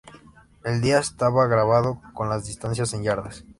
El dial estaba grabado con las distancias en yardas.